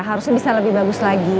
harusnya bisa lebih bagus lagi